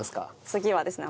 次はですね